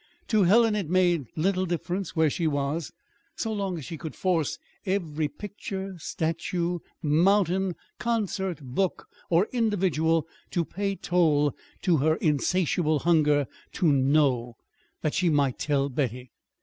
To Helen it made little difference where she was, so long as she could force every picture, statue, mountain, concert, book, or individual to pay toll to her insatiable hunger "to know" that she might tell Betty.